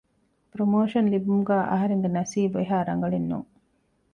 ޕްރޮމޯޝަން ލިބުމުގައި އަހަރެންގެ ނަސީބު އެހާރަނގަޅެއް ނޫން